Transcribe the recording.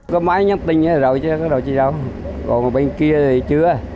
có máy nhắm tình rồi chứ có đồ gì đâu còn bên kia thì chưa